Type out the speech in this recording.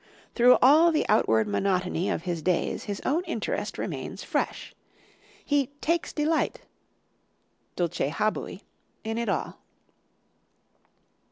Through all the outward monotony of his days his own interest remains fresh. He "takes delight" ("dulce habui") in it all.